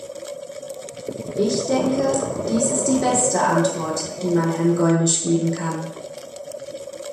Ich denke, dies ist die beste Antwort, die man Herrn Gollnisch geben kann.